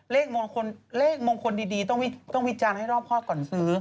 เลขมงคลดีต้องวิจารณ์ให้รอบครอบก่อนซื้อ